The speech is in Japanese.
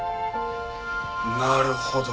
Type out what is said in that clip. なるほど。